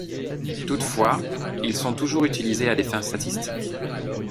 Toutefois, ils sont toujours utilisés à des fins statistiques.